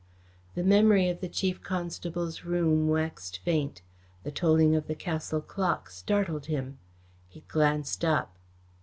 The memory of the Chief Constable's room waxed faint. The tolling of the Castle clock startled him. He glanced up.